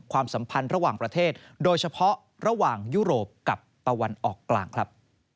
ความสัมพันธ์ระหว่างประเทศโดยเฉพาะระหว่างยุโรปกับตะวันออกกลางครับ